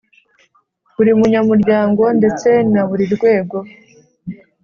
Buri munyamuryango ndetse na buri rwego